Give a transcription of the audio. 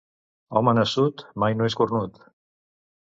Home nassut mai no és cornut.